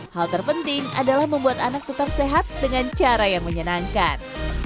hal terpenting adalah membuat anak tetap sehat dengan cara yang menyenangkan